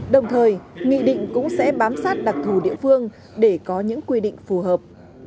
đồng thời nghị định cũng sẽ bám sát đặc thù địa phương để có những quy định phù hợp